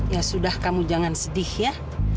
ya sudah kamu jangan sedih ya